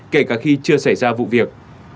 kể cả khi chưa xảy ra vụ việc